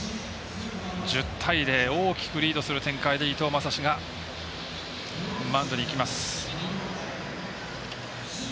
１０対０大きくリードする展開で伊藤将司がマウンドにいきます。